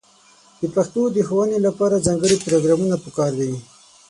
د پښتو د ښوونې لپاره ځانګړې پروګرامونه په کار دي.